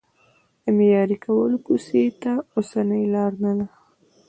د معیاري کولو کوڅې ته اوسنۍ لار نه ده.